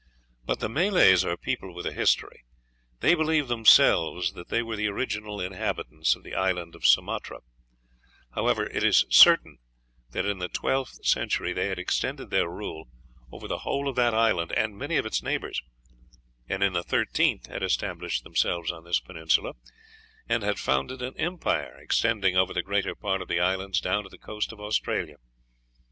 But the Malays are people with a history; they believe themselves that they were the original inhabitants of the island of Sumatra; however, it is certain that in the twelfth century they had extended their rule over the whole of that island and many of its neighbors, and in the thirteenth had established themselves on this peninsula and had founded an empire extending over the greater part of the islands down to the coast of Australia.